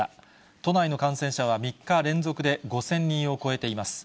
都内の感染者は３日連続で５０００人を超えています。